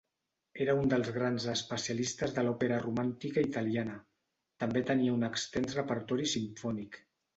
Era un dels grans especialistes de l'òpera romàntica italiana; també tenia un extens repertori simfònic.